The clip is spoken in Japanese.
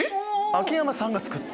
秋山さんが作った⁉